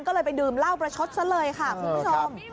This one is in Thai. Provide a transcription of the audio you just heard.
ก็เลยไปดื่มเหล้าประชดซะเลยค่ะคุณผู้ชม